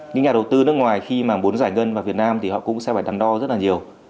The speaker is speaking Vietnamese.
những nhà đầu tư nước ngoài khi mà muốn giải ngân vào việt nam thì họ cũng sẽ phải đắn đo rất là nhiều